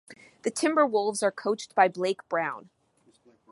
The Timberwolves are coached by Blake Brown.